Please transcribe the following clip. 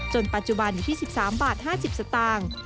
ปัจจุบันอยู่ที่๑๓บาท๕๐สตางค์